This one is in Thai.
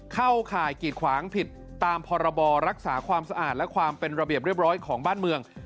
เข้าข่ายกีดขวางผิดตามพรบรักษาความสะอาดและความเป็นระเบียบเรียบร้อยของบ้านเมือง